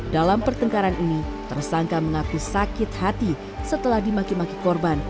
dalam pertengkaran ini tersangka mengaku sakit hati setelah dimaki maki korban